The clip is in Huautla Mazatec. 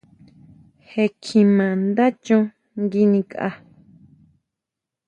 Je kjima nda chon nguinikʼa.